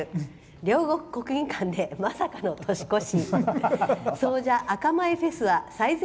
両国国技館で、まさかの年越し。